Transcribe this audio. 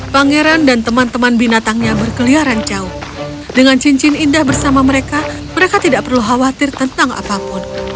pangeran dan teman teman binatangnya berkeliaran jauh dengan cincin indah bersama mereka mereka tidak perlu khawatir tentang apapun